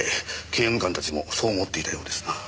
刑務官たちもそう思っていたようですな。